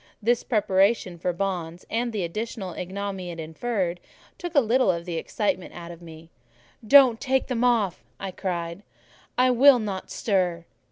This preparation for bonds, and the additional ignominy it inferred, took a little of the excitement out of me. "Don't take them off," I cried; "I will not stir."